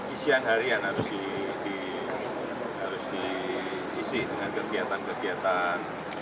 isian harian harus diisi dengan kegiatan kegiatan